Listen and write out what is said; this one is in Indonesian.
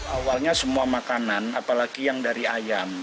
awalnya semua makanan apalagi yang dari ayam